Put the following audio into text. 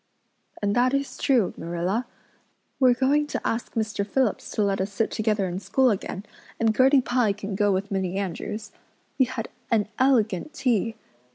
"And that is true, Marilla. We're going to ask Mr. Phillips to let us sit together in school again, and Gertie Pye can go with Minnie Andrews. We had an elegant tea.